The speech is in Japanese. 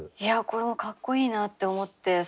これもかっこいいなって思って。